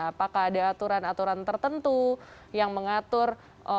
apakah ada aturan aturan tertentu yang mengatur